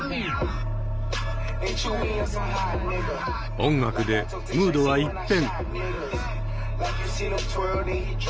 音楽でムードは一変。